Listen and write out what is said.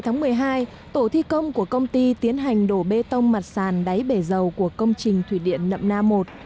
ngày một mươi hai tổ thi công của công ty tiến hành đổ bê tông mặt sàn đáy bể dầu của công trình thủy điện nậm na một